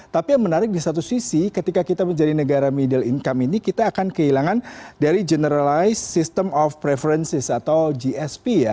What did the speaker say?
tapi yang menarik di satu sisi ketika kita menjadi negara middle income ini kita akan kehilangan dari generalized system of preferences atau gsp ya